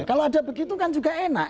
kalau ada begitu kan juga enak